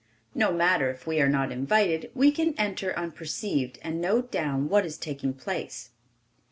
No matter if we are not invited, we can enter unperceived and note down what is taking place.